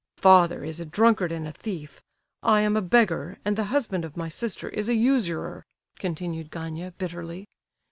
"Father is a drunkard and a thief; I am a beggar, and the husband of my sister is a usurer," continued Gania, bitterly.